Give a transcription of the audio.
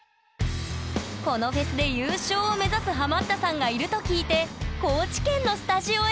このフェスで優勝を目指すハマったさんがいると聞いて高知県のスタジオへ！